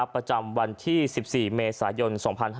ประจำวันที่๑๔เมษายน๒๕๕๙